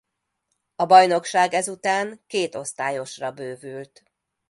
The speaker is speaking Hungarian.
A bajnokság ezután két osztályosra bővült.